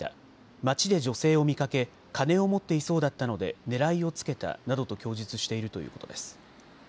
街で女性を見かけ金を持っていそうだったので狙いをつけたなどと供述しているということです。